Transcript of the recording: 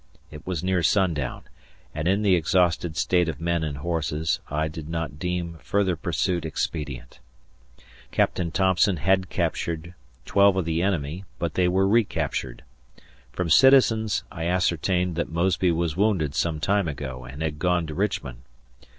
It was near sundown, and in the exhausted state of men and horses, I did not deem further pursuit expedient. Captain Tompson had captured twelve of the enemy but they were recaptured. From citizens I ascertained that Mosby was wounded some time ago and had gone to Richmond.